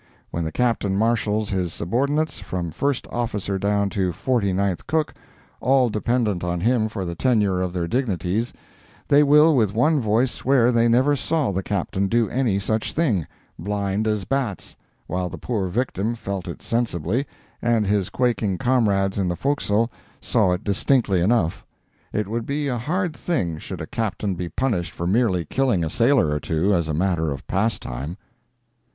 When the Captain marshals his subordinates, from first officer down to forty ninth cook, all dependent on him for the tenure of their dignities, they will with one voice swear they never saw the Captain do any such thing—blind as bats—while the poor victim felt it sensibly, and his quaking comrades in the forecastle saw it distinctly enough. It would be a hard thing should a Captain be punished for merely killing a sailor or two, as a matter of pastime.